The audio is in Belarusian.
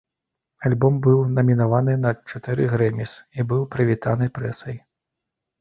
Альбом быў намінаваны на чатыры грэміс і быў прывітаны прэсай.